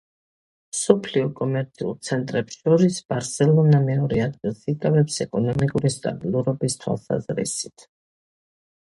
მსოფლიო კომერციულ ცენტრებს შორის, ბარსელონა მეორე ადგილს იკავებს ეკონომიკური სტაბილურობის თვალსაზრისით.